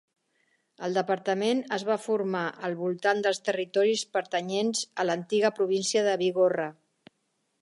El departament es va formar al voltant dels territoris pertanyents a l'antiga província de Bigorra.